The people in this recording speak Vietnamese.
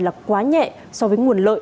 là quá nhẹ so với nguồn lợi